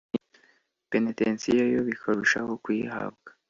penetensiya yo bikarushaho kuyihabwa